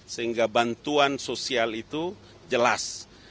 sehingga bantuan sosial itu jelas